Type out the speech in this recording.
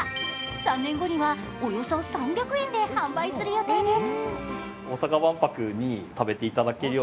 ３年後には、およそ３００円で販売する予定です。